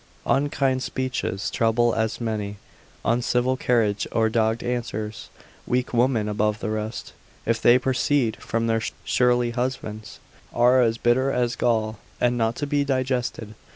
Unkind speeches trouble as many; uncivil carriage or dogged answers, weak women above the rest, if they proceed from their surly husbands, are as bitter as gall, and not to be digested.